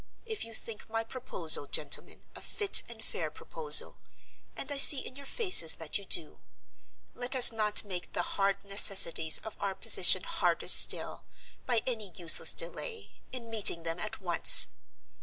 If you think my proposal, gentlemen, a fit and fair proposal—and I see in your faces that you do—let us not make the hard necessities of our position harder still, by any useless delay in meeting them at once.